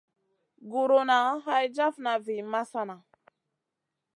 Guruna hay jafna vi masana.